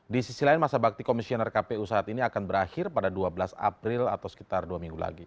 di sisi lain masa bakti komisioner kpu saat ini akan berakhir pada dua belas april atau sekitar dua minggu lagi